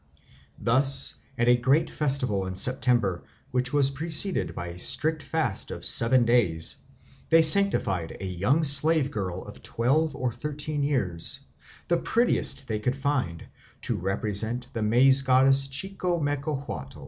Thus at a great festival in September, which was preceded by a strict fast of seven days, they sanctified a young slave girl of twelve or thirteen years, the prettiest they could find, to represent the Maize Goddess Chicomecohuatl.